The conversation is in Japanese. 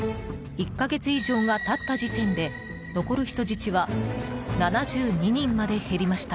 １か月以上が経った時点で残る人質は７２人まで減りました。